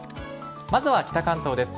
まずは北関東です。